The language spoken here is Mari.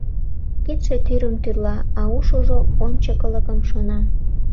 Кидше тӱрым тӱрла, а ушыжо ончыкылыкым шона.